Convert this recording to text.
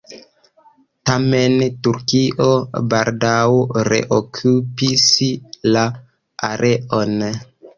Tamen, Turkio baldaŭ reokupis la areon.